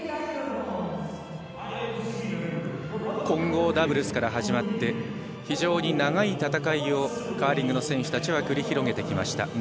混合ダブルスから始まって非常に長い戦いをカーリングの選手たちは繰り広げてきました。